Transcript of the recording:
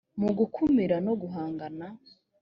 mu gukumira no guhangana